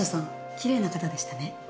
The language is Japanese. きれいな方でしたね。